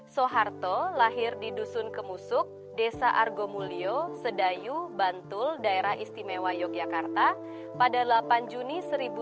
soeharto lahir di dusun kemusuk desa argomulyo sedayu bantul daerah istimewa yogyakarta pada delapan juni seribu sembilan ratus sembilan puluh